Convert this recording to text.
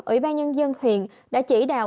ủy ban nhân dân huyện đã chỉ đạo